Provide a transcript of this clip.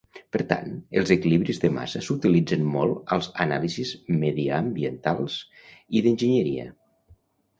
Per tant, els equilibris de massa s'utilitzen molt als anàlisis mediambientals i d"enginyeria.